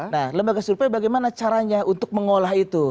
nah lembaga survei bagaimana caranya untuk mengolah itu